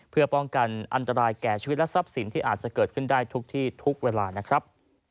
เพื่อป้องกันอันตรายแก่ชีวิตและทรัพย์สินที่อาจจะเกิดขึ้นได้ทุกที่ทุกเวลานะครับ